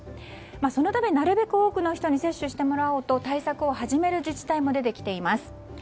そのため、なるべく多くの人に接種してもらおうと対策を始める自治体も出てきています。